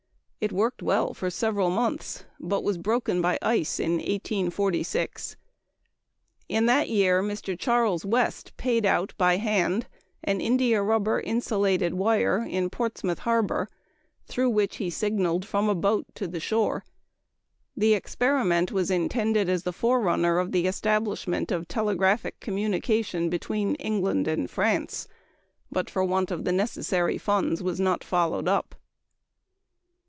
It worked well for several months, but was broken by ice in 1846. In that year Mr. Charles West paid out by hand an india rubber insulated wire in Portsmouth harbor, through which he signaled from a boat to the shore. The experiment was intended as the forerunner of the establishment of telegraphic communication between England and France, but for want of the necessary funds was not followed up.